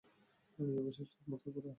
এ বৈশিষ্ট্য একমাত্র ঘোড়ার।